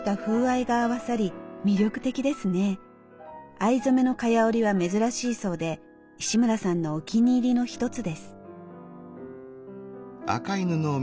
藍染めの蚊帳織は珍しいそうで石村さんのお気に入りの一つです。